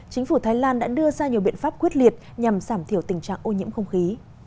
chính phủ thái lan đã đưa ra nhiều biện pháp quyết liệt nhằm giảm thiểu tình trạng ô nhiễm không khí